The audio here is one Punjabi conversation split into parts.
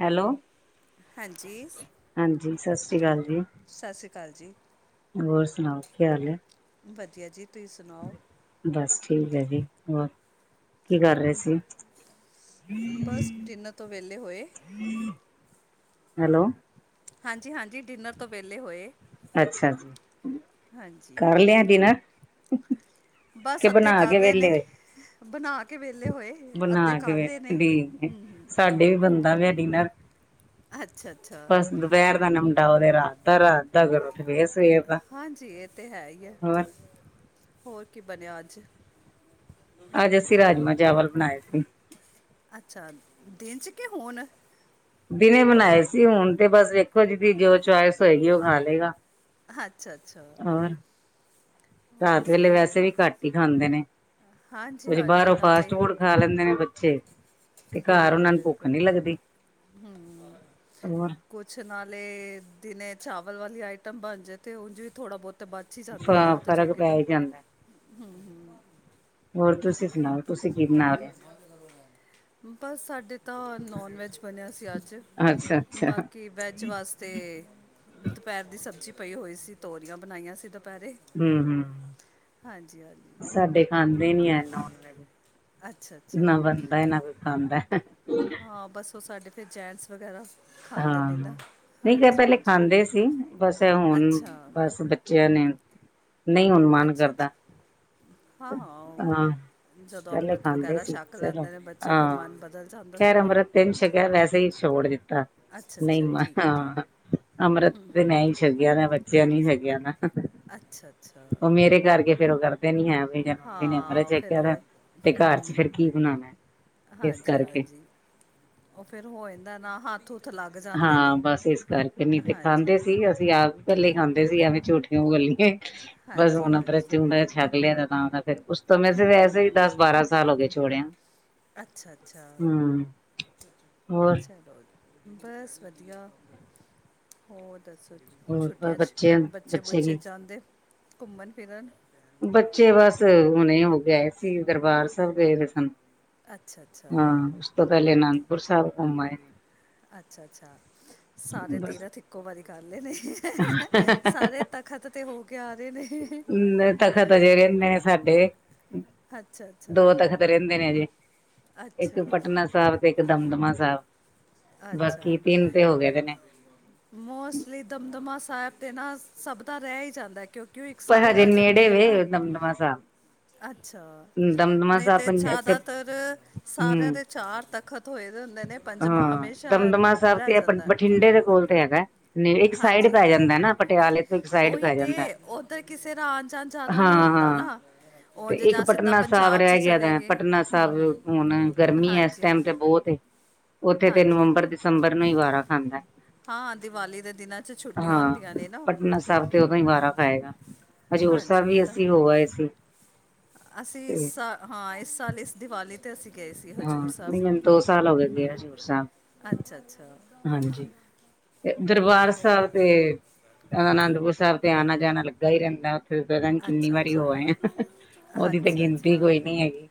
ਹੈਲੋ, ਹਾਂਜੀ ਹਾਂਜੀ ਸਤਿ ਸ਼੍ਰੀ ਅਕਾਲ ਜੀ। ਸਤਿ ਸ਼੍ਰੀ ਅਕਾਲ ਜੀ। ਹੋਰ ਸੁਣਾਓ, ਕੀ ਹਾਲ ਏ? ਵਧੀਆ ਜੀ, ਤੁਹੀ ਸੁਣਾਓ? ਬਸ ਠੀਕ ਹੈ ਜੀ, ਹੋਰ? ਕੀ ਕਰ ਰਹੇ ਸੀ? ਬਸ ਡਿਨਰ ਤੋਂ ਵਿਹਲੇ ਹੋਏ ਹੈਲੋ। ਹਾਂਜੀ-ਹਾਂਜੀ, ਡਿਨਰ ਤੋਂ ਵੇਲੇ ਹੋਏ ਅੱਛਾ, ਹਾਂਜੀ ਕਰ ਲਿਆ ਡਿਨਰ? ਬਸ ਕਿ ਅੱਧੇ ਬਣਾ ਕਰ ਕੇ ਰਹੇ ਵਿਹਲੇ ਨੇ, ਬਣਾਕੇ ਵੇਹਲੇ ਹੋਏ। ਅੱਧੇ ਕਰ ਬਣਾਕੇ ਰਹੇ ਨੇ ਵੀ, ਸਾਡੇ ਵੀ ਬਣਦਾ ਪਿਆ ਡੀਨਰ। ਅੱਛਾ-ਅੱਛਾ। ਦੁਪਹਿਰ ਦਾ ਨਿਪਟਾਓ, ਤਾ ਰਾਤ ਦਾ ਕਰੋ, ਤੇ ਫਿਰ ਸਵੇਰ ਦਾ ਹਾਂਜੀ, ਇਹ ਤਾਂ ਹੈਹੀ ਏ, ਹੋਰ ਹੋਰ ਕੀ ਬਣਿਆ ਅੱਜ? ਅੱਜ ਅਸੀਂ ਰਾਜਮਾਂ-ਚਾਵਲ ਬਣਾਏ ਸੀ। ਅੱਛਾ, ਦਿਨ'ਚ ਕਿ ਹੋਨ? ਦਿਨੇ ਬਣਾਏ ਸੀ, ਹੁਣ ਤੇ ਬਸ ਦੇਖੋ ਜੀਦੀ ਜੋ ਚੌਇਸ ਹੋਏਗੀ ਉਹ ਖਾਲੇਗਾ। ਅੱਛਾ-ਅੱਛਾ। ਹੋਰ, ਰਾਤ ਵੇਲੇ ਇਹ ਹੁੰਦਾ ਵੈਸੇ ਵੀ ਘੱਟ ਹੀ ਖਾਂਦੇ ਨੇ। ਹਾਂਜੀ ਕੁਛ ਹਾਂਜੀ ਬਾਹਰੋਂ ਨਾਲੇ ਫਾਸਟ-ਫੂਡ ਖਾ ਲੈਂਦੇ ਨੇ, ਬੱਚੇ। ਤੇ ਘਰ ਬਿਲਕੁਲ ਉਹਨਾ ਨੂੰ ਭੁੱਖ ਬਿਲਕੁਲ ਨੀ ਲੱਗਦੀ‌। ਹੂੰ ਕੁਛ ਨਾਲੇ, ਦਿਨੇ ਚਾਵਲ ਵਾਲੀ ਆਈਟਮ ਬਣਜੇ, ਤੇ ਉੰਝ ਵੀ ਥੋੜਾ, -ਬ੍ਹੋਤ ਬਚ ਹੀ ਫ ਜਾਂਦੀ ਏ ਨਾ, ਰਾਤ ਫ਼ਰਕ ਜੋਗੀ ਪੈ ਤਾਂ ਹੀ ਜਾਂਦਾ ਹੋਰ, ਤੁਸੀਂ ਸੁਣਾਓ? ਤੁਸੀਂ ਕੀ ਬਣਾ ਲਿਆ ਕਰੋਗਾ [unintelligible] ਬਸ ਸਾਡੇ ਤਾ ਨੋਨ-ਵੇਜ ਬਣਿਆ ਸੀ ਅੱਜ, ਅੱਛਾ ਅੱਛਾ ਬਾਕੀ ਵੈੱਜ ਵਾਸਤੇ ਤੇ, ਦੁਪਹਿਰ ਦੀ ਸਬਜ਼ੀ ਪਈ ਹੋਈ ਸੀ, ਤੋਰੀਆਂ ਬਣਾਈਆਂ ਸੀ ਦਪਹਿਰੇ। ਹੂੰ, ਹੂੰ ਸਾਡੇ ਖਾਂਦੇ ਨੀ ਐ ਤਾਂ, ਅੱਛਾ ਅੱਛਾ ਨਵਨ ਨਾ ਐਨਾ ਪਸੰਦੈ। ਹਾਂ, ਬਸ ਉਹ ਸਾਡੇ ਫਿਰ ਜੈਂਟਸ ਵਗੈਰਾ ਖਾਂਦੇ ਹਾਂ, ਨੇ ਨਾ ਨਹੀਂ ਕ ਹਾਂਜੀ ਪਹਿਲੇ ਹਾਂਜੀ ਖਾਂਦੇ ਸੀ, ਬਸ ਹੁਣ ਅੱਛਾ ਬਸ ਚਿਆਂ ਨੇ, ਨਹੀਂ ਹੁਣ ਮਨ ਕਰਦਾ। ਹਾਂ-ਹਾਂ, ਉਹ ਬਸ ਹਾਂ ਜਦੋਂ ਪਹਿਲੇ ਅੰਮ੍ਰਿਤ ਖਾਂਦੇ ਵਗੈਰਾ ਸੀ, ਛਕ ਚਲੋ ਲੈਂਦੇ ਨੇ ਬੱਚੇ ਫਿਰ ਹਾਂ ਮਨ ਬਦਲ ਜਾਂਦਾ ਖੈਰ ਥੋੜਾ ਅੰਮ੍ਰਤ ਤੇ ਨਹੀਂ ਸ਼ਕਿਆ ਵੈਸੇ ਹੀ ਛੋੜ ਦਿੱਤਾ ਅੱਛਾ ਨਹੀਂ ਅੱਛਾ ਮ ਠੀਕ ਹੈ ਠੀਕ ਹਾਂ, ਅੰਮ੍ਰਿਤ ਤੇ ''ਮੈਂ ਹੀ ਛਕਿਆ ਨਾ, ਬੱਚਿਆਂ ਨੇ ਨੀ ਛਕਿਆ ਨਾ ਹੈ। ਅੱਛਾ ਅੱਛਾ ਉਹ ਮੇਰੇ ਕਰਕੇ ਫੇਰ ਉਹ ਕਰਦੇ ਨੀ ਹੈ ਮੇਰੀ ਮੰਮੀ ਨੇ ਅੰਮ੍ਰਿਤ ਹਾਂ ਫਿਰ ਛਕਿਆ ਵੈ, ਉਹ ਤੇ ਘਰ'ਚ ਫਿਰ ਕੀ ਬਨਾਣੈ ਹਾਜੀ-ਹਾਂਜੀ, ਉਹ ਫੇਰ ਹੋ ਜਾਂਦਾ ਨਾ, ਹੱਥ-ਹੂਥ ਲੱਗ ਜਾਂਦੇ ਹਾਂ ਨੇ ਬਸ ਇਸ ਕਰਕੇ ਨੀ ਤੇ ਹਾਂਜੀ ਹਾਂਜੀ ਖਾਂਦੇ ਸੀ ਅਸੀਂ ਆਪ ਭੱਲੇ ਖਾਂਦੇ ਸੀ ਐਵੇਂ ਝੂਠ ਕਿਊ ਬੋਲੀਏ ਬਸ ਹਾਂਜੀ ਹੁਣ ਅੰਮ੍ਰਿਤ ਹਾਂਜੀ ਜੋਦਾ ਛਕ ਲਿਆ ਉਸ ਸਮੇਂ ਵੈਸੇ ਹੀ ਦਸ ਬਾਰਾਂ ਸਾਲ ਹੋ ਗਏ ਛੋੜਿਆ ਅੱਛਾ ਅੱਛਾ ਹਮ ਹੋਰ ਚਲੋ ਬਸ ਵਧੀਆ ਹੋਰ ਦੱਸੋ ਜੀ ਹੋਰ ਛੁੱਟੀਆਂ 'ਚ ਬੱਚੇ ਬੱਚੇ ਬੁੱਚੇ ਕੀ ਜਾਂਦੇ ਘੁੰਮਣ ਫਿਰਨ ਬੱਚੇ ਬਸ ਹੁਣੇ ਹੋ ਕੇ ਆਏ ਸੀ ਸੀ ਦਰਬਾਰ ਸਾਹਿਬ ਗਏ ਹੋਏ ਸਨ ਅੱਛਾ ਅੱਛਾ ਹਾਂ ਉਸ ਤੋਂ ਪਹਿਲੇ ਅਨੰਦਪੁਰ ਸਾਹਿਬ ਘੁੰਮ ਆਏ ਅੱਛਾ ਅੱਛਾ ਸਾਰੇ ਬਸ ਤੀਰਥਇੱਕੋ ਵਾਰੀ ਵਾਰੀ ਕਰ ਲਏ ਨੇ ਸਾਰੇ ਤਖਤ ਤੇ ਹੋ ਕੇ ਆ ਰੇ ਨੇ ਨਾ ਤਖਤ ਹਜੇ ਰਹਿੰਦੇ ਨੇ ਸਾਡੇ ਅੱਛਾ ਅੱਛਾ ਦੋ ਤਖਤ ਰਹਿੰਦੇ ਨੇ ਸਾਡੇ ਇੱਕ ਅੱਛਾ ਪਟਨਾ ਸਾਹਿਬ ਇੱਕ ਦਮਦਮਾ ਸਾਹਿਬ ਅੱਛਾ ਬਾਕੀ ਤਿੰਨ ਤੇ ਹੋ ਗਏ ਤੇ ਨੇ ਮੋਸਟਲੀ ਦਮਦਮਾ ਸਾਹਿਬ ਤੇ ਨਾ ਸਭ ਦਾ ਰਹਿ ਹੀ ਜਾਂਦਾ ਹੈ ਕਿਉਂ ਇੱਕ ਪਰ ਸਾਈਡ ਹਜੇ ਆ ਨੇੜੇ ਜਾਂਦੀ ਹੈ ਨਾ ਵੇ ਦਮਦਮਾ ਸਾਹਿਬ ਅੱਛਾ ਦਮਦਮਾ ਨਹੀਂ ਸਾਹਿਬ ਤੇ ਪੰ ਇੱਥੇ ਜ਼ਿਆਦਾਤਰ ਸਾਰਿਆਂ ਹਮ ਦੇ ਚਾਰ ਤਖਤ ਹੋਏ ਦੇ ਹੁੰਦੇ ਨੇ ਪੰਜਵਾਂ ਹਾਂ ਹਮੇਸ਼ਾ ਦਮਦਮਾ ਸਾਹਿਬ ਰਹਿ ਤੇ ਜਾਂਦਾ ਹੈ। ਬਠਿੰਡੇ ਦੇ ਕੋਲ ਤੇ ਹੈਗਾ ਇੱਕ ਸਾਈਡ ਹਾਂਜੀ ਪੈ ਹਾਂਜੀ ਜਾਂਦਾ ਨਾ ਪਟਿਆਲੇ ਤੋਂ ਇੱਕ ਸਾਈਡ ਉਹੀ ਪੈ ਤੇ ਜਾਂਦਾ ਉੱਧਰ ਕਿਸੇ ਦਾ ਆਣ ਜਾਂੰਦ ਜ਼ਿਆਦਾ ਹਾਂ ਨੀ ਹੁੰਦਾ ਹਾਂ ਨਾ ਤੇ ਉਝ ਇੱਕ ਜਾਂ ਸਿੱਧਾ ਪਟਨਾ ਸਾਹਿਬ ਪੰਜਾਬ ਚ ਰਹਿ ਗਿਆ ਚਲੇ ਦਾ ਗਏ ਪਟਨਾ ਹਮ ਹਮ ਸਾਹਿਬ ਹੁਣ ਗਰਮੀ ਹੈ ਇਸ ਹਾਂਜੀ ਟਾਈਮ ਹਾਂਜੀ ਤੇ ਬਹੁਤ ਏ। ਉੱਥੇ ਤੇ ਹਾਂਜੀ ਇਹ ਤਾਂ ਨਵੰਬਰ ਹੈ। ਦਸੰਬਰ ਨੂੰ ਹੀ ਵਾਰਾ ਖਾਂਦਾ ਹਾਂ ਦੀਵਾਲੀ ਦੇ ਦਿਨਾਂ 'ਚ ਛੁੱਟੀਆਂ ਹਾਂ ਹੁੰਦੀਆਂ ਨੇ ਨਾ ਪਟਨਾ ਸਾਹਿਬ ਤੇ ਉਦੋਂ ਹੀ ਵਾਰਾ ਆਏਗਾ ਹਜ਼ੂਰ ਹਾਂਜੀ ਸਾਹਿਬ ਉਹ ਵੀ ਤਾਂ ਹੈ ਅਸੀਂ ਹੋ ਆ ਏ ਸੀ ਅਸੀਂ ਤੇ ਇਸ ਸਾਲ ਹਾਂ ਇਸ ਸਾਲ ਇਸ ਦੀਵਾਲੀ ਤੇ ਅਸੀਂ ਗਏ ਸੀ ਹਾਂ ਹਜੂਰ ਸਾਹਿਬ ਨਹੀਂ ਵੀ ਮੈਨ ਦੋ ਸਾਲ ਹੋ ਗਏ ਗਏ ਹਜ਼ੂਰ ਸਾਹਿਬ ਅੱਛਾ ਅੱਛਾ ਹਾਂਜੀ ਤੇ ਦਰਬਾਰ ਉਹ ਸਾਹਿਬ ਤੇ ਅਨੰਦਪੁਰ ਸਾਹਿਬ ਤੇ ਆਣਾ ਜਾਣਾ ਲੱਗਾ ਹੀ ਰਹਿੰਦਾ ਫਿਰ ਪਤਾ ਨੀ ਕਿੰਨੀ ਅੱਛਾ ਵਾਰੀ ਹੋ ਅੱਛਾ ਆ ਆ ਉਹਦੀ ਤੇ ਅੱਛਾ ਗਿਣਤੀ ਅੱਛਾ ਕੋਈ ਨੀ ਹੈਗੀ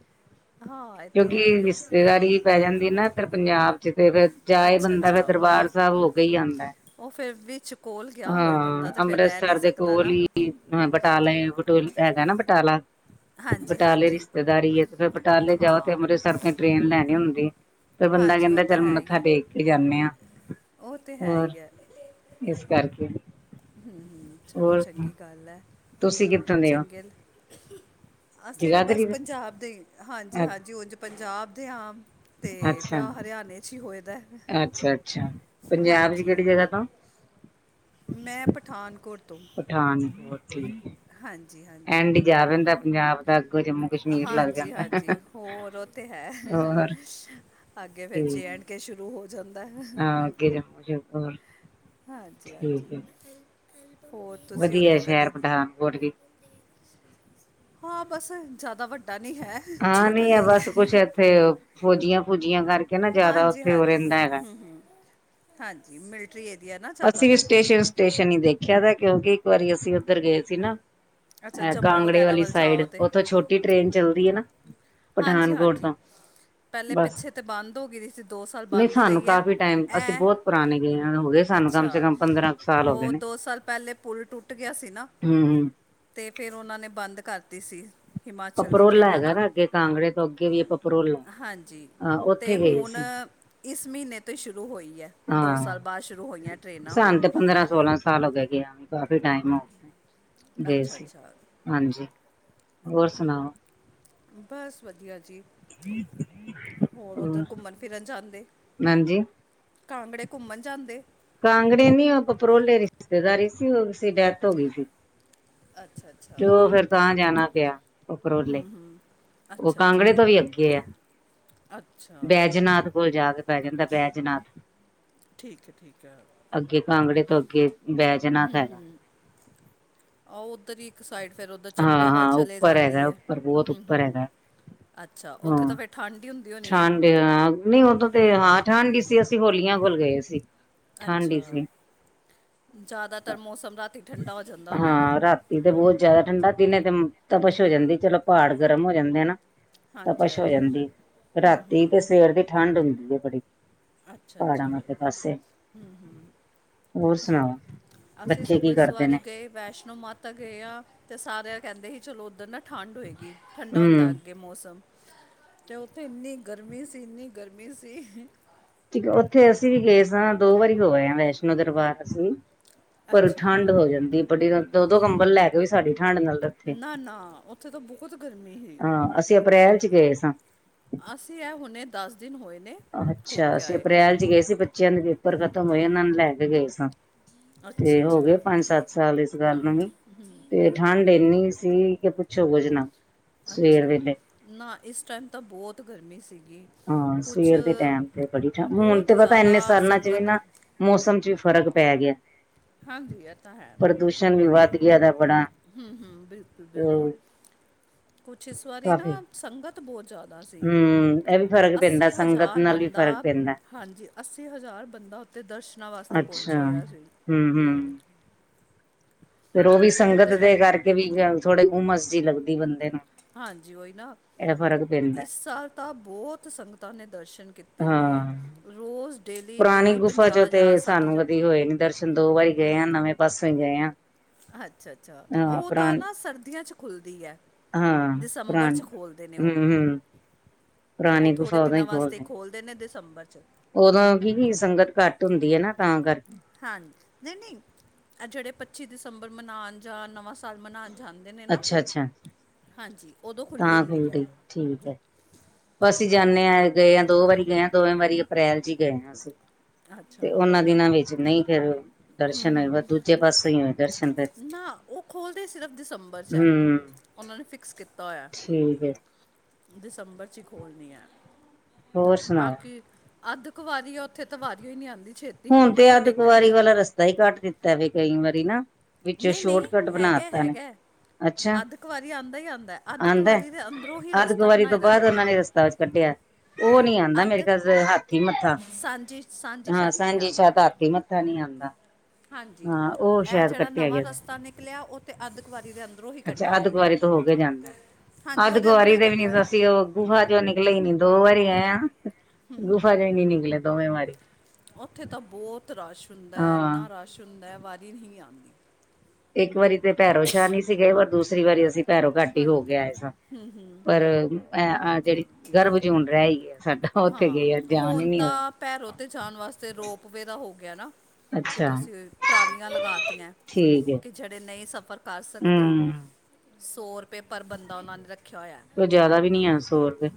ਹਾਂ ਤੇ ਕਿਉਂਕਿ ਹੈ ਇਹ ਹੀ ਹੈ ਰਿਸ਼ਤੇਦਾਰੀ ਪੈ ਜਾਂਦੀ ਨਾ ਤੇ ਪੰਜਾਬ ਚ ਤੇ ਫਿਰ ਜਾਏ ਅੱਛਾ ਬੰਦਾ ਫਿਰ ਅੱਛਾ ਉਹ ਦਰਬਾਰ ਬਸ ਸਾਹਿਬ ਹੋ ਕ ਹੀ ਆਉਦਾ ਹੈ ਉਹ ਫਿਰ ਵਿੱਚ ਕੋਲ ਗਿਆ ਹੋਏ ਬੰਦਾ ਤੇ ਫਿਰ ਰਹਿ ਨਹੀਂੀ ਅੰਮ੍ਰਿਤਸਰ ਦੇ ਸਕਦਾ ਕੋਲ ਨਾ ਹੀ ਬਟਾਲੇ ਬਟੂ ਹੈਗਾ ਨਾ ਬਟਾਲਾ ਹਾਂਜੀ ਬਟਾਲੇ ਹਾਂਜੀ ਰਿਸ਼ਤੇਦਾਰੀ ਹੈ ਤੇ ਫਿਰ ਬਟਾਲੇ ਜਾਓ ਤੇ ਹਾਂ ਅੰਮ੍ਰਿਤਸਰ ਦੀ ਟ੍ਰੇਨ ਲੈਣੀ ਹੁੰਦੀ ਫਿਰ ਬੰਦਾ ਹਾਂਜੀ ਉਹ ਕਹਿੰਦਾ ਤਾਂ ਚਲ ਹੈ ਹੀ ਮੱਥਾ ਹੈ ਟੇਕ ਕੇ ਜਾਂਦੇ ਆਾਂ ਉਹ ਤੇ ਹੈ ਹੋਰ ਇਸ ਕਰਕੇ ਹਮ ਹਮ ਚਲੋ ਹੋਰ ਚੰਗੀ ਗੱਲ ਹੈ ਤੁਸੀਂ ਕਿੱਥੋਂ ਦੇ ਹੋ ਚੰਗੇ ਲ- ਅਸੀਂ ਵੀ ਜਗਾਦਰੀ ਬਸ ਦੇ ਪੰਜਾਬ ਦੇ ਹਾਂਜੀ ਹਾਂਜੀ ਉਝ ਪੰਜਾਬ ਦੇ ਹਾ ਅਤੇ ਅੱਛਾ ਵਿਆਹ ਹਰਿਆਣੇ 'ਚ ਹੀ ਹੋਏ ਦਾ ਹੈ। ਅੱਛਾ ਅੱਛਾ ਪੰਜਾਬ ਚ ਕਿਹੜੀ ਹਾਂਜੀ ਜਗ੍ਹਾ ਤੋਂ ਮੈਂ ਪਠਾਨਕੋਟ ਤੋਂ ਪਠਾਨਕੋਟ ਠੀਕ ਹੈ ਹਾਂਜੀ ਹਾਂਜੀ ਐਂਡ ਜਾ ਰੈਂਦਾ ਪੰਜਾਬ ਦਾ ਅੱਗੋਂ ਜੰਮੂ ਕਸ਼ਮੀਰ ਲੱਗ ਜਾਂਦਾ ਹਾਂਜੀ-ਹਾਂਜੀ, ਹੋਰ ਓ ਤੇ ਹੈ, ਹੋਰ ਅੱਗੇ ਫੇਰ ਜੇ ਠੀਕ ਐਂਡ ਕੇ ਸ਼ੁਰੂ ਹੋ ਜਾਂਦਾ ਹੈ ਹਾਂ ਅੱਗੇ ਜੰਮੂ ਜਾਊਗਾ ਹੋਰ ਹਾਂਜੀ-ਹਾਂਜੀ, ਠੀਕ ਹੈ ਹੋਰ ਤੁਸੀਂ ਓਦਰ ਕਦੀ ਟਾਂਕ ਪੋਟਗੀ। ਹਾਂ ਬਸ ਜਾਦਾ ਵੱਡਾ ਨੀ ਹੈ। ਹਾਂ ਛੋਟਾ ਨੀ ਆ ਜਿਹਾ ਬਸ ਹੀ ਕੁਛ ਹੈ ਏਥੇ ਫੋਜੀਆਂ ਫੂਜੀਆਂ ਕਰਕੇ ਨਾ ਜ਼ਾਦਾ ਹਾਂਜੀ ਓਥੇ ਓ ਰੈਂਦਾ ਹੈਗਾ। ਹਾਂਜ ਜੀ ਮਿਲਟਰੀ ਏਰੀਆ ਨਾ। ਅਸੀਂ ਵੀ ਜ਼ਿਆਦਾਤਰ ਸਟੇਸ਼ਨ-ਸਟੇਸ਼ਨ ਈ ਦੇਖੇਆ ਦਾ ਕਿਓਂਕਿ ਇੱਕ ਵਾਰੀ ਅਸੀਂ ਓਦਰ ਗਏ ਸੀ ਨਾ। ਅੱਛਾ ਐ ਜੰਮੂ ਕਾਂਗੜੇ ਵਗੈਰਾ ਵਾਲੀ ਵੱਲ ਜਾਓ ਸਾਈਡ ਤੇ ਓਥੋਂ ਛੋਟੀ ਟਰੇਨ ਚੱਲਦੀ ਐ ਨਾ। ਪਠਾਨਕੋਟ ਤੋਂ ਪੈਲੇ ਬਸ ਪਿੱਛੇ ਤਾ ਬੰਦ ਹੋ ਗਈ ਦੀ ਸੀ ਦੋ ਸਾਲ ਨਹੀਂ ਬੰਦ ਈ ਸਾਨੂੰ ਰਈ ਐ, ਕਾਫ਼ੀ ਟਾਈਮ ਅਸੀਂ ਐੲ ਬਹੁਤ ਪੁਰਾਣੇ ਗਏ ਹੋ ਗਏ ਸਾਨੂੰ ਕਮ ਅੱਛਾ ਸੇ ਕਮ ਪੰਦਰਾਂ ਕੁ ਸਾਲ ਹੋ ਗਏ ਓ ਨੇ ਦੋ ਸਾਲ ਪੈਲੇ ਪੁਲ ਟੁੱਟ ਗੇਆ ਸੀ ਨਾ। ਹਮ ਤੇ ਫੇਰ ਓਨਾਂ ਨੇ ਬੰਦ ਕਰਤੀ ਸੀ। ਹਿਮਾਚਲ ਦੀ ਪਪਰੋਲਾ ਟ੍ਰੇਨਾਂ ਹੈਗਾ ਨਾ ਅੱਗੇ ਕਾਂਗੜੇ ਤੋਂ ਅੱਗੇ ਵੀ ਏ ਪਪਰੋਲਾ, ਹਾਂਜੀ ਅਹ ਤੇ ਓਥੇ ਗਏ ਹੁਣ ਸੀ। ਇਸ ਮੀਨੇ ਤੋਂ ਈ ਸ਼ੁਰੂ ਹੋਈ ਐ, ਦੋ ਸਾਲ ਹਾਂ ਬਾਦ ਸ਼ੁਰੂ ਹੋਈਆਂ ਟਰੇਨਾਂ ਹੁਨ। ਸਾਨੂੰ ਤੇ ਪੰਦਰਾਂ ਸੋਲਾਂ ਸਾਲ ਹੋ ਗੇ ਗੇਆ ਨੂੰ ਵੀ ਕਾਫੀ ਟੈਮ ਹੋ ਗਿਆ ਗਏ ਅੱਛਾ ਸੀ। ਅੱਛਾ ਹਾਂਜੀ, ਹੋਰ ਸਨਾਓ ਬਸ ਵਦੀਆ ਜੀ। ਹੋਰ ਓਦਰ ਘੁੰਮਨ ਫਿਰਨ ਜਾਂਦੇ। ਹਾਂਜੀ ਕਾਂਗੜੇ ਘੁੰਮਨ ਜਾਂਦੇ ਕਾਂਗੜੇ ਨੀ ਓ ਪਪਰੋਲੇ ਰਿਸ਼ਤੇਦਾਰੀ ਸੀ ਹੋਗੀ ਸੀ ਡੈਥ ਹੋਗੀ ਸੀ। ਅੱਛਾ ਅੱਛਾ ਜੋ ਫਿਰ ਤਾਂ ਜਾਨਾ ਪਿਆ। ਪਪਰੋਲੇ ਅੱਛਾ ਓ ਕਾਂਗੜੇ ਅੱਛਾ ਤੋਂ ਵੀ ਅੱਗੇ ਐ। ਅੱਛਾ। ਬੈਜਨਾਥ ਕੋਲ ਜਾ ਕੇ ਪੈ ਜਾਂਦਾ ਬੈਜਨਾਥ ਠੀਕ ਐ-ਠੀਕ ਐ। ਅੱਗੇ ਕਾਂਗੜੇ ਤੋਂ ਅੱਗੇ ਬੈਜਨਾਥ ਹੈਗਾ ਹੂੰ-ਹੂੰ, ਆ ਓਦਰ ਈ। ਇੱਕ ਸਾਈਡ ਫੇਰ ਓਦਰ ਹਾਂ ਚੰਬੇ ਵੱਲ ਹਾਂ ਚਲੇ ਉੱਪਰ ਜਾਂਦੀ ਹੈਗਾ ਐ, ਉੱਪਰ ਬਹੁਤ ਉੱਪਰ ਹੂੰ-ਹੂੰ, ਹੈਗਾ ਅੱਛਾ ਓਥੇ ਹਾਂ ਤਾਂ ਫੇਰ ਠੰਡ ਈ ਹੁੰਦੀ ਹੋਨੀ ਐ। ਠੰਡ ਹਾਂ ਨਈ ਓਦੋਂ ਤੇ ਹਾਂ ਠੰਢ ਈ ਸੀ ਅਸੀਂ ਹੋਲੀਆਂ ਕੋਲ ਗਏ ਸੀ। ਠੰਡ ਅੱਛਾ, ਹੀ ਸੀ ਜ਼ਾਦਾਤਰ ਮੌਸਮ ਰਾਤੀ ਠੰਡਾ ਹੋ ਜਾਂਦਾ ਹੋਨੈ ਨਾ। ਨਈ ਤੇ ਬਹੁ ਜ਼ਾਦਾ ਠੰਡਾ ਦਿਨੇ ਤੇ ਤਬਸ਼ ਹੋ ਜਾਂਦੀ ਚਲੋ ਪਾੜ ਗਰਮ ਹੋ ਜਾਂਦੇ ਐ ਨਾ। ਤਪਸ਼ ਹੋ ਹਾਂਜੀ-ਹਾਂਜੀ। ਜਾਂਦੀ ਰਾਤੀ ਤੇ ਸਵੇਰ ਦੀ ਠੰਡ ਹੁੰਦੀ ਐ ਬੜੀ। ਅੱਛਾ-ਅੱਛਾ, ਪਹਾੜਾਂ ਵਾਲੇ ਪਾਸੇ ਹੂੰ ਹੋਰ ਸਨਾਓ ਅਸੀਂ ਸਗੋਂ ਇਸ ਵਾਰੀ ਗਏ ਵੈਸ਼ਨੋ ਮਾਤਾ ਤਾਂ ਗਏ ਆ, ਤੇ ਸਾਰੇ ਕੈਂਦੇ ਸੀ ਚਲੋ ਓਦਰ ਨਾ ਠੰਡ ਹੋਏਗੀ ਠੰਡਾ ਹੁੰਦਾ। ਹੂੰ ਗੇ ਮੌਸਮ ਤੇ ਓਥੇ ਇੰਨੀ ਗਰਮੀ ਸੀ ਇੰਨੀ ਗਰਮੀ ਸੀ ਠੀਕ ਐ ਓਥੇ ਅਸੀਂ ਵੀ ਗਏ ਸਾਂ ਦੋ ਵਾਰੀ ਹੋ ਆਏ ਹਾਂ ਵੈਸ਼ਨੋ ਦਰਬਾਰ ਅਸੀਂ। ਪਰ ਅੱਛਾ ਠੰਢ ਹੋ ਜਾਂਦੀ ਐ ਬਡੀ ਰਾਤ ਦੋ-ਦੋ ਕੰਬਲ ਲੈ ਕੇ ਵੀ ਸਾਡੀ ਠੰਢ ਨਾਲ ਇੱਥੇ ਨਾ-ਨਾ ਔਥੇ ਤਾਂ ਬੋਤ ਗਰਮੀ ਹੀ ਹਾਂ ਅਸੀਂ ਅਪ੍ਰੈਲ ਚ ਗਏ ਸਾਂ ਅਸੀਂ ਐ ਹੁਣੇ ਦਸ ਦਿਨ ਹੋਏ ਨੇ, ਹੋ ਕੇ ਆਏ ਸੀ ਗਏ ਸੀ ਬੱਚਿਆਂ ਦੇ ਪੇਪਰ ਖ਼ਤਮ ਹੋਏ, ਏਨਾਂ ਨੂੰ ਲੈ ਕੇ ਗਏ ਸਾ, ਅੱਛਾ ਤੇ ਹੋ ਗਏ ਅੱਛਾ ਪੰਜ ਸੱਤ ਸਾਲ ਇਸ ਗੱਲ ਨੂੰ ਵੀ, ਤੇ ਠੰਡ ਏਨੀ ਸੀ ਕੇ ਪੁੱਛੋ ਕੁਛ ਨਾ ਸਵੇਰ ਅੱਛਾ ਵੇਲੇ ਨਾ ਇਸ ਟਾਈਮ ਤਾਂ ਬੋਤ ਗਰਮੀ ਸੀਗੀ ਹਾਂ, ਕੁਛ ਸਵੇਰ ਦੇ ਟੈਮ ਤੇ ਬੜੀ ਠੰ, ਹੁਣ ਬਹੁਤ ਤੇ ਪਤਾ ਇੰਨੇ ਜ਼ਿਆਦਾ ਸਰਨਾਂ ਚ ਵੀ ਸੰਗਤ ਨਾ ਮੌਸਮ ਚ ਵੀ ਫ਼ਰਕ ਪੈ ਗਿਆ ਹਾਂਜੀ। ਐ ਤਾਂ ਹੈ। ਪ੍ਰਦੂਸ਼ਣ ਵੀ ਵੱਧ ਗਿਆ। ਏਦਾ ਬੜਾ ਹਮ -ਹਮ ਬਿਲਕੁਲ- ਬਿਲਕੁਲ, ਅ ਕੁਛ ਇਸ ਵਾਰੀ ਨਾ ਕਾਫੀ ਸੰਗਤ ਬੋਤ ਜਾਦਾ ਸੀ। ਹੂੰ ਇਹ ਵੀ ਫ਼ਰਕ ਪੈਂਦਾ ਅੱਸੀ ਸੰਗਤ ਹਜਾਰ ਨਾਲ ਵੀ ਬੰਦਾ ਫ਼ਰਕ ਪੈਂਦਾ ਹਾਂਜੀ ਅੱਸੀ ਹਜ਼ਾਰ ਬੰਦਾ ਔਥੇ ਦਰਸ਼ਨਾਂ ਵਾਸਤੇ ਪੋਂਚੇਆ ਅੱਛਾ ਹੋਇਆ ਸੀ। ਹਮ ਹਮ ਹੂੰ-ਹੂੰ। ਫੇਰ ਔਹੀ ਸੰਗਤ ਦੇ ਕਰਕੇ ਵੀ ਥੋੜੇ [unintelligible] ਉਮਸ ਜੀ ਲੱਗਦੀ ਬੰਦੇ ਨੂੰ ਹਾਂਜੀ ਔਈ ਨਾ, ਇਹ ਫ਼ਰਕ ਪੈਂਦਾ। ਇਸ ਸਾਲ ਤਾਂ ਬੋਤ ਸੰਗ ਤਾ ਔਨੇ ਦਰਸ਼ਨ ਕੀਤੇ ਨੇ, ਹਾਂ। ਰੋਜ਼ ਡੇਲੀ ਪੁਰਾਣੀ ਦੀ ਗੁਫਾ ਚੋਂ ਪੰਜਾਹ ਹਜ਼ਾਰ ਤੇ ਸੱਠ ਸਾਨੂੰ ਹਜ਼ਾਰ ਕਦੀ ਹੋਏ ਨੀ ਦਰਸ਼ਨ, ਦੋ ਵਾਰੀ ਗਏ ਆ ਨਵੇਂ ਪਾਸੇ ਔ ਈ ਗਏ ਆ ਅੱਛ-, ਅੱਛਾ ਹਾਂ ਔ ਤਾਂ ਪੁਰਾਣੀ ਨਾ ਸਰਦੀਆਂ 'ਚ ਖੁੱਲਦੀ ਐ - ਹਾਂ, ਪਰਾਨ ਹਮ-ਹਮ ਔ ਥੋੜੇ ਦਿਨਾਂ ਵਾਸਤੇ ਈ ਖੋਲ੍ਹਦੇ ਨੇ ਦਸੰਬਰ ਚ ਔਦੋਂ ਕੀ ਕੀ ਸੰਗਤ ਘੱਟ ਹੁੰਦੀ ਏ ਨਾ ਤਾਂ ਕਰਕੇ ਹਾਂਜੀ, ਨਈ -ਨਈ ਜੇੜੇ ਪੱਚੀ ਦਿਸੰਬਰ ਮਨਾਨ ਜਾਂ ਨਵਾਂ ਸਾਲ ਮਨਾਨ ਅੱਛਾ-ਅੱਛਾ, ਹਾਂਜੀ, ਔਦੋਂ ਤਾਂ ਖੁੱਲਦੀ ਠੀਕ ਐ- ਅਸੀਂ ਜਾਂਨੇ ਆ ਐ ਗਏ ਐ, ਦੋ ਵਾਰੀ ਗਏ ਐ, ਦੋਵੇਂ ਵਾਰੀ ਅਪ੍ਰੈਲ ਚ ਈ ਗਏ ਆ ਅਸੀਂ ਤੇ, ਔਨਾਂ ਦਿਨਾਂ ਵਿੱਚ ਨਈ ਫੇਰ ਹਮ-ਹਮ, ਫਿਰ। ਨਾ ਔ ਖੋਲਦੇ ਈ ਸਿਰਫ਼ ਦਸੰਬਰ'ਚ ਆ। ਹੂੰ ਔਨਾਂ ਨੇ ਫਿਕਸ ਕੀਤਾ ਹੋਇਆ। ਠੀਕ ਐ। ਦਿਸੰਬਰ'ਚ ਈ ਖੋਲਣੀ ਆ ਹੋਰ ਸੁਣਾਓ? ਬਾਕੀ ਅੱਧ ਕੁਵਾਰੀ ਆ, ਔਥੇ ਤੇ ਵਾਰੀਓ ਈ ਨੀ ਆਦੀ ਛੇ ਹੁਣ ਤੇ ਅੱਧ ਕੁਵਾਰੀ ਵਾਲਾ ਰਸਤਾ ਈ ਕੱਟ ਦਿੱਤਾ ਵੇ, ਕਈ ਵਾਰੀ ਨਾ। ਵਿੱਚੋ ਨਹੀਂ ਨਹੀਂ ਸ਼ੋਰਟਕੱਟ ਹੈਗਾ ਬਣਾਤਾ ਨੇ। ਹੈਗਾ ਹੈ। ਅੱਛਾ ਅੱਧ ਕੁਵਾਰੀ ਆਂਦਾ ਹੀ ਆਂਦਾ ਹੈ। ਅੱਧ ਆਂਦੈ ਕੁਵਾਰੀ ਦੇ ਅੰਦਰੋਂ ਹੀ ਰਸਤਾ ਅੱਧ-ਕੁਵਾਰੀ ਤੋਂ ਬਣਾਇਆ ਬਾਅਦ ਜਿਹੜਾ ਔਨਾਂ ਨੇ ਰਸਤਾ ਵਿੱਚ ਕੱਢਿਆ। ਔ ਨੀ ਆਂਦਾ ਮੇਰੇ ਅੱਧ ਖਿਆਲ ਚ ਤੇ ਹਾਥੀ ਮੱਥਾ ਸਾਂਝੀ ਸਾਂਝੀ ਹਾਂ ਛੱਤ ਨਹੀਂ ਹਾਂਜੀ ਆਂਦਾ ਸ਼ਾਇਦ ਹਾਥੀ ਮੱਥਾ ਨੀ ਆਂਦਾ। ਹਾਂ, ਉਹ ਸ਼ਾਇਦ ਜੇੜਾ ਕੱਟਿਆ ਨਵਾਂ ਗਿਆ ਰਸਤਾ ਨਿਕਲਿਆ ਓਤੇ ਅੱਧ ਕੁਵਾਰੀ ਦੇ ਅੰਦਰ ਅੱਛਾ ਅੱਧ ਕੁਵਾਰੀ ਤੋਂ ਹੋਕੇ ਜਾਂਦਾ, ਹਾਂਜੀ ਅੱਧ ਉਹਦੇ ਅੰਦਰੋਂ ਕੁਵਾਰੀ ਹੀ ਤੇ ਵੀ ਕੱਢਿਆ ਨੀ ਹੋਇਆ ਅਸੀਂ ਹੈ। ਔ ਗੁਫਾ ਚੋ ਨਿਕਲੇ ਈ ਨੀ, ਦੋ ਵਾਰੀ ਗਏ ਆਂ, ਗੁਫਾ ਚੋ ਹੀ ਨੀ ਨਿਕਲੇ, ਦੋਵੇਂ ਵਾਰੀ। ਔਥੇ ਤਾਂ ਬਤ ਰਸ਼ ਹੁੰਦੈ, ਹਾਂ। ਐਨਾ ਰਸ਼ ਹੁੰਦੈ, ਵਾਰੀ ਨੀ ਹੀ ਆਂਦੀ। ਇੱਕ ਵਾਰੀ ਤੇ ਭੈਰੋਸ਼ਾਹ ਨਹੀ ਸੀ ਗਏ, ਪਰ ਦੂਸਰੀ ਵਾਰੀ ਅਸੀ ਭੈਰੋ ਘੱਟੀ ਹਾਂਜੀ ਹੋਕੇ ਆਏ ਸਾਂ, ਪਰ ਐਂ ਆ, ਜਿਹੜੀ ਗਰਭਜੂਨ ਰੈ ਈ ਗਿਯਾ ਸਾਡਾ। ਉੱਥੇ ਹਾਂ, ਗਏ ਜਾਣ ਹੀ ਹੁਣ ਨੀ ਹੋਇਆ। ਤਾਂ ਭੈਰੋ ਤੇ ਜਾਣ ਵਾਸਤੇ, ਰੋਪ ਵੇਰਾ ਹੋਗਿਆ ਨਾ। ਕਿ ਅੱਛਾ। ਤੁਸੀਂ, ਟਰਾਲੀਆਂ ਲਗਾਤੀਆਂ, ਠੀਕ ਹੈ ਕਿ ਜਿਹੜੇ ਨ ਈ ਸਫ਼ਰ ਕਰ ਸਕਦੇ ਹਮ ਸੌ-ਰਪਏ ਪਰ ਬੰਦਾ ਓਨਾਂ ਨੇ ਰੱਖਿਆ ਹੋਇਆ। ਕੋਈ ਜ਼ਿਆਦਾ ਵੀ ਨੀ ਆ ਸੌ ਰੁਪਏ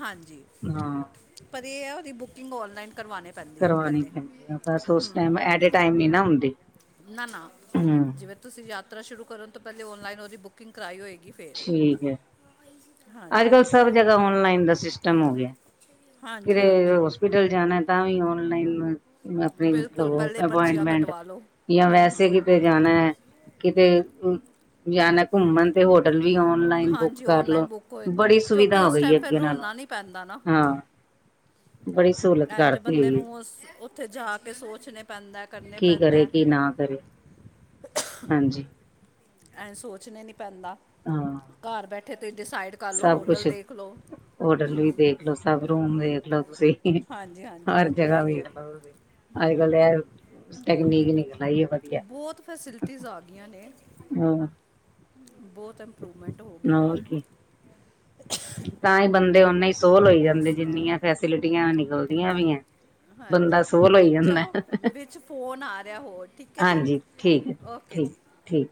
ਹਾਂਜੀ, ਹਾਂ। ਪਰ ਏ ਐ ਓਦੀ ਬੁਕਿੰਗ ਔਨਲਾਈਨ ਕਰਵਾਨੀ ਕਰਵਾਨੀ ਪੈਂਦੀ ਆ, ਬਸ ਉਸ ਟੈਮ ਐਟੇ ਟਾਇਮ ਨੀ ਨਾ ਹੁੰਦੀ। ਨਾ-ਨਾ ਹਮ। ਜਿਵੇਂ ਤੁਸੀਂ ਯਾਤਰਾ ਸ਼ੁਰੂ ਕਰਨ ਤੋਂ ਪਹਿਲੇ ਔਨਲਾਈਨ ਓਦੀ ਬੁਕਿੰਗ ਕਰਾਈ ਹੋਏਗੀ ਫੇਰ। ਹਾਂਜੀ ਅੱਜ-ਕਲ ਸਭ ਹਾਂਜੀ ਜਗ੍ਹਾ ਔਨਲਾਈਨ ਦਾ ਸਿਸਟਮ ਹੋਗਿਆ। ਹਾਂਜੀ-ਹਾਂਜੀ। ਹੋਸਪਿਟਲ ਜਾਨਾ ਤਾ ਵੀ ਔਨਲਾਈਨ, ਅਪਨੀ ਬਿਲਕੁਲ ਮਤਲਬ ਓ ਪਹਿਲੇ ਪਰਚੀਆਂ ਅਪੌਇੰਟਮੈਂਟ ਕਟਵਾ ਲਓ ਯਾਂ ਹੂੰ ਵੈਸੇ ਹੂੰ ਕਿਤੇ ਜਾਨਾ ਐ, ਕਿਤੇ ਜਾਨਾ ਘੁੰਮਨ ਤੇ ਹੋਰ ਵੀ ਔਨਲਾਈਨ ਬੁੱਕ ਹਾਂਜੀ ਕਰ ਲੋ, ਆਨਲਾਈਨ ਬੁੱਕ ਹੋ ਜਾਂਦੇ ਨੇ। ਬੜੀ ਕਿਉਂਕਿ ਸੁਵਿਧਾ ਹੋ ਉਸ ਗਈ ਟਾਈਮ ਐ ਫਿਰ ਅੱਗੇ ਨਾਲੋਂ, ਰੁਲਣਾ ਨਹੀਂ ਪੈਂਦਾ ਨਾ ਹਾਂ। ਬੜੀ ਸਹੂਲਤ ਐਂਜ ਕਰਤੀ ਬੰਦੇ ਹੋਈ ਹੈ। ਨੂੰ ਓਥੇ ਜਾਕੇ ਸੋਚਨੇ ਪੈਂਦਾ, ਕਰਨੇ ਕੀ ਕਰੇ ਪੈਂਦਾ‌। ਕੀ ਨਾ ਕਰੇ ਹਾਂਜੀ ਐਂ ਸੋਚਨੇ ਨੀ ਪੈਂਦਾ। ਹਾਂ ਘਰ ਬੈਠੇ ਤੇ ਡਿਸਾਈਡ ਕਰ ਲੋ, ਸਭ ਹੋਟਲ ਦੇਖਲੋ, ਹੂੰ ਪਹਿਲੋ ਸਭ ਰੂਮ ਵੇਖਲੋ ਤੁਸੀਂ। ਹਾਂਜੀ ਹਾਂਜੀ ਹਰ ਉਹ ਤੇ ਹੈ ਜਗ੍ਹਾ ਹੀ ਹੈ ਵੇਖਲੋ ਤੁਸੀ ਅੱਜ-ਕਲ ਐ ਟੈਕਨੀਕ ਨਿਕਲ ਆਈ ਹੈ ਵਧੀਆ ਬੋਤ ਫੈਸੀਲਿਟੀਜ਼ ਆ ਗਈਆਂ ਨੇ, ਹਾਂ ਬੋਤ ਇੰਪਰੂਵਮੈਂਟ ਹੋ ਗਿਆ ਹੈ ਹੋਰ ਕੀ, ਤਾਂ ਈ ਬੰਦੇ ਓੰਨੇ ਈ ਸੋਲ ਹੋਈ ਹੋਰ ਜਾਂਦੇ, ਸੁਣਾਓ ਜਿੰਨੀਆਂ ਫੈਸਿਲਿਟੀਆਂ ਨਿਕਲਦੀਆਂ ਪੀਆਂ ਹਾਂਜੀ ਬੰਦਾ ਸੋਲ ਹੋਈ ਜਾਂਦਾ ਚਲੋ ਐ, ਵਿੱਚ ਫੋਨ ਆ ਰਿਹਾ ਹੋਰ ਠੀਕ ਹੈ ਜੀ ਹਾਂਜੀ ਠੀਕ ਐ, ਓਕੇ ਠੀਕ ਜੀ ਠੀਕ।